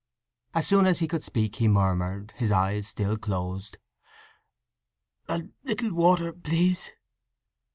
As soon as he could speak he murmured, his eyes still closed: "A little water, please."